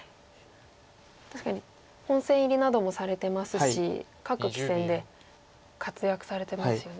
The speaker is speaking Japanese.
確かに本戦入りなどもされてますし各棋戦で活躍されてますよね。